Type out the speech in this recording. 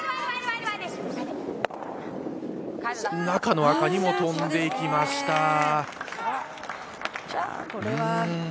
中の赤にも飛んでいきました。